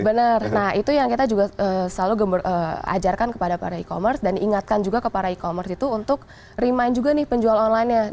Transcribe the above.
benar nah itu yang kita juga selalu ajarkan kepada para e commerce dan ingatkan juga ke para e commerce itu untuk remind juga nih penjual online nya